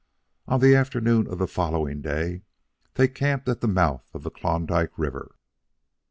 On the afternoon of the following day they camped at the mouth of the Klondike River.